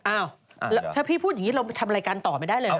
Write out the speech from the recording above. อะแล้วถ้าพี่พูดอย่างงี้เราทำรายการต่อไม่ได้เลย